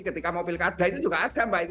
ketika mau pilkada itu juga ada mbak itu